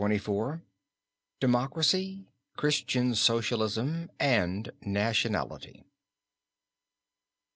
XXIV DEMOCRACY, CHRISTIAN SOCIALISM AND NATIONALITY.